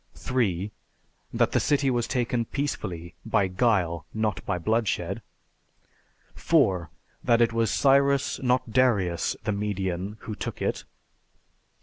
3. That the city was taken peacefully, by guile, not by bloodshed. 4. That it was Cyrus, not Darius the Median, who took it.